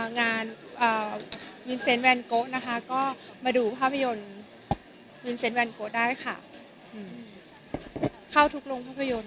งานเต๊ะนะคะก็มาดูภาพยนต์ได้ค่ะข้าวทุกโลกภาพยนต์